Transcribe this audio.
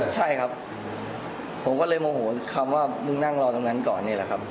ใช่ครับผมก็เลยโมโหคำว่ามึงนั่งรอตรงนั้นก่อนนี่แหละครับ